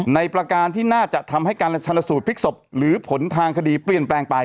ประการที่น่าจะทำให้การชนสูตรพลิกศพหรือผลทางคดีเปลี่ยนแปลงไป